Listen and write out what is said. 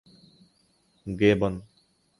گیبون